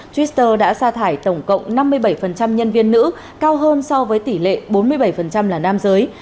twitter đã xa thải tổng cộng năm mươi bảy nhân viên nữ cao hơn so với tỷ lệ bốn mươi bảy là nam giới